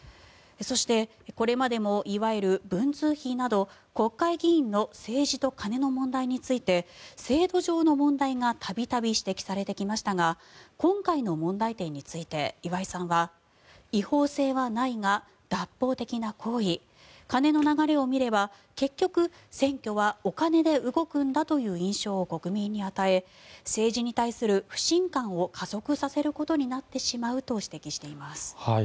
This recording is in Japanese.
そして、これまでもいわゆる文通費など国会議員の政治と金の問題について制度上の問題が度々指摘されてきましたが今回の問題点について岩井さんは違法性はないが脱法的な行為金の流れを見れば結局、選挙はお金で動くんだという印象を国民に与え政治に対する不信感を加速させることになってしまうと指摘しています。